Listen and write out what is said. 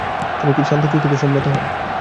তিনি শান্তি চুক্তিতে সম্মত হন।